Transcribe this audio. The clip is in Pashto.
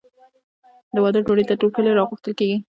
د واده ډوډۍ ته ټول کلی راغوښتل کیږي.